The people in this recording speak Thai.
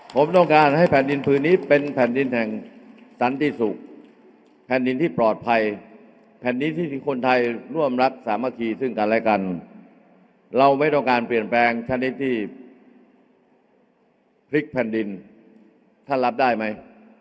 ผมต้องการให้แผ่นดินผืนนี้เป็นแผ่นดินแห่งสันติสุขแผ่นดินที่ปลอดภัยแผ่นดินที่คนไทยร่วมรักสามัคคีซึ่งกันและกันเราไม่ต้องการเปลี่ยนแปลงชนิดที่พลิกแผ่นดินท่านรับได้ไหม